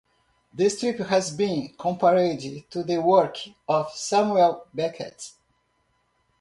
The strip has been compared to the work of Samuel Beckett.